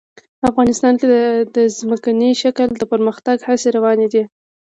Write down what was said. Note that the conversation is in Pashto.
افغانستان کې د ځمکنی شکل د پرمختګ هڅې روانې دي.